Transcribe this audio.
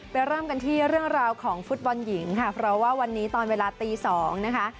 เริ่มกันที่เรื่องราวของฟุตบอลหญิงค่ะเพราะว่าวันนี้ตอนเวลาตี๒นะคะ